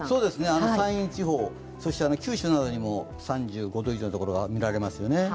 山陰地方、九州などにも３５度以上の所が見られますね。